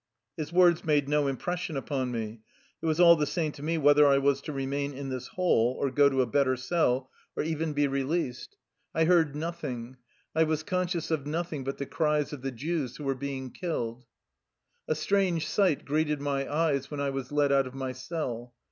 His words made no impression upon me. It was all the same to me whether I was to remain in this hole or go to a better cell, or even be re 68 THE LIFE STOBY OF A RUSSIAN EXILE leased. I heard nothing, I was conscious of nothing but the cries of the Jews who were being killed. A strange sight greeted my eyes when I was led out of my cell.